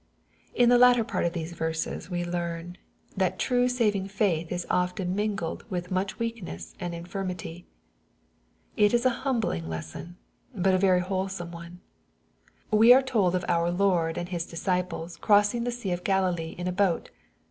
In the latter part of these verses we learn, that true saving faith is often mingled with much weakness and infirmity. It is a humbling lesson, but a very whole some one. We are told of our Lord and His disciples crossing the sea of Galilee in a boat.